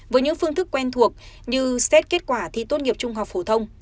với những phương thức quen thuộc như xét kết quả thi tốt nghiệp trung học phổ thông